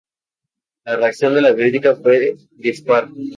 La reacción de la crítica fue dispar.